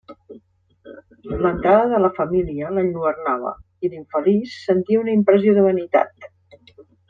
L'entrada de la família l'enlluernava, i l'infeliç sentia una impressió de vanitat.